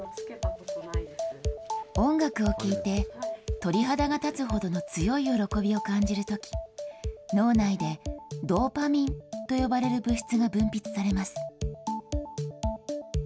音楽を聴いて、鳥肌が立つほどの強い喜びを感じるとき、脳内でドーパミンと呼ばれる物質が分泌されます。